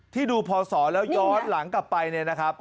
ที่ดูพศแล้วย้อนหลังกลับไปเนี่ยนะครับ